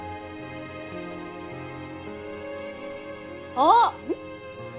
あっ！